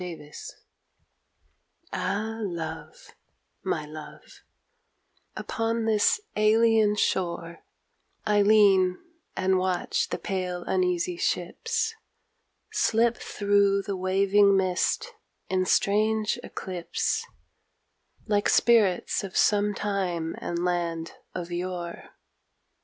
IN THE MIST Ah love, my love, upon this alien shore I lean and watch the pale uneasy ships Slip thro' the waving mist in strange eclipse, Like spirits of some time and land of yore.